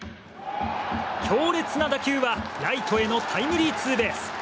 強烈な打球はライトへのタイムリーツーベース。